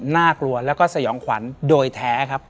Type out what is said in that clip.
น่ากลัวแล้วก็สยองขวัญโดยแท้ครับ